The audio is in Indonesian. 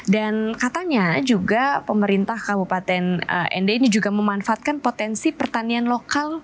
dan katanya juga pemerintah kabupaten nd ini juga memanfaatkan potensi pertanian lokal